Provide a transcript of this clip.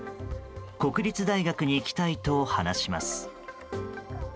国立大学に行きたいと話します。